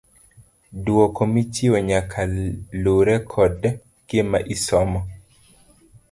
Duoko michiwo nyaka lure kod gima isomo.